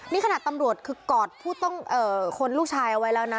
นี่ขนาดตำรวจคือกอดผู้ต้องคนลูกชายเอาไว้แล้วนะ